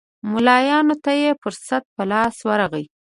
ملایانو ته یې فرصت په لاس ورغی.